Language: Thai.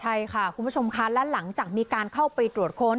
ใช่ค่ะคุณผู้ชมค่ะและหลังจากมีการเข้าไปตรวจค้น